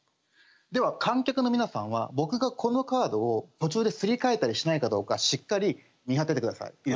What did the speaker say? では観客の皆さんは僕がこのカードを途中ですり替えたりしないかどうかしっかり見張ってて下さい。